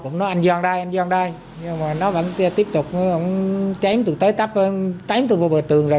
ông nói anh giòn đây anh giòn đây nhưng mà nó vẫn tiếp tục chém từ tới tắp chém từ bờ bờ tường rồi